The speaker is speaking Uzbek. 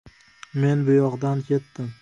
Men buyoqdan ketdim.